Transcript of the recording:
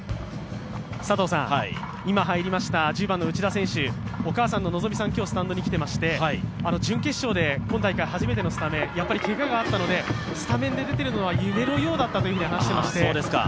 今入りました１０番の内田選手、お母さんのノゾミさんが今日、スタンドに来ていまして、準決勝で今大会、初めてのスタメンスタメンで出てるのは夢のようだったと話していました。